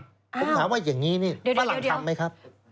ผมถามว่าอย่างนี้นี่ฝรั่งทำไหมครับ